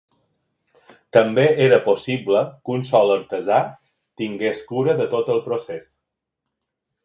També era possible que un sol artesà tingués cura de tot el procés.